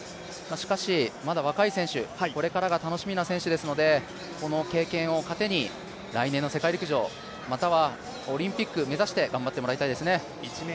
しかし、まだ若い選手これからが楽しみな選手ですのでこの経験を糧に、来年の世界陸上またはオリンピック目指して頑張ってもらいたいですね。